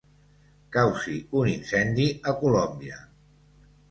Causi un incendi a Colòmbia.